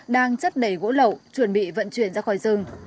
đang chất đầy gỗ lậu chuẩn bị vận chuyển ra khỏi rừng